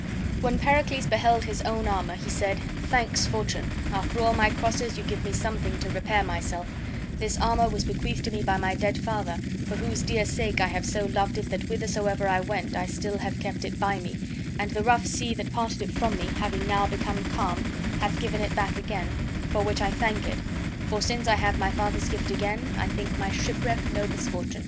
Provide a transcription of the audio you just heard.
When Pericles beheld his own armor he said: "Thanks, Fortune; after all my crosses you give me somewhat to repair myself This armor was bequeathed to me by my dead father, for whose dear sake I have so loved it that whithersoever I went I still have kept it by me, and the rough sea that parted it from me, having now become calm, hath given it back again, for which I thank it, for, since I have my father's gift again, I think my shipwreck no misfortune."